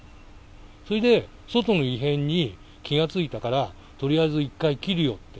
それで外の異変に気が付いたから、とりあえず一回切るよって。